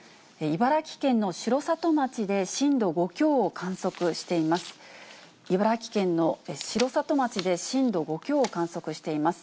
茨城県の城里町で震度５強を観測しています。